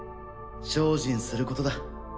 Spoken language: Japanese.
精進することだ。